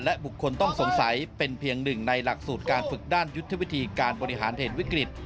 บุคคลต้องสงสัยเป็นเพียงหนึ่งในหลักสูตรการฝึกด้านยุทธวิธีการบริหารเหตุวิกฤต